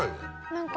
何か。